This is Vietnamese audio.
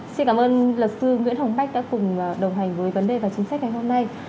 xin cảm ơn luật sư nguyễn hồng bách đã cùng đồng hành với vấn đề và chính sách ngày hôm nay